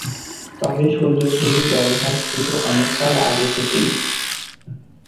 তবে সূর্য ঘড়ির ব্যবহার শুরু অনেক কাল আগে থেকেই।